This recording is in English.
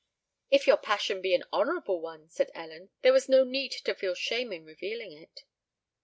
"If your passion be an honourable one," said Ellen, "there was no need to feel shame in revealing it."